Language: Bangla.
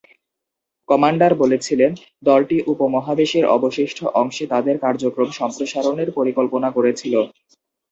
কমান্ডার বলেছিলেন, দলটি উপমহাদেশের অবশিষ্ট অংশে তাদের কার্যক্রম সম্প্রসারণের পরিকল্পনা করেছিল।